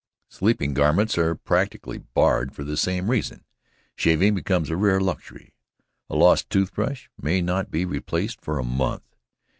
Sleeping garments are practically barred for the same reason. Shaving becomes a rare luxury. A lost tooth brush may not be replaced for a month.